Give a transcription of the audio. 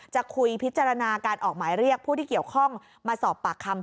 จะคุยพิจารณาการออกหมายเรียกผู้ที่เกี่ยวข้องมาสอบปากคำ